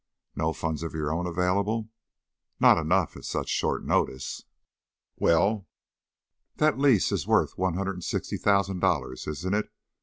"No funds of your own available?" "Not enough, at such short notice." "Well?" "That lease is worth one hundred and sixty thousand dollars, isn't it?"